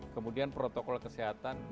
kemudian protokol kesehatan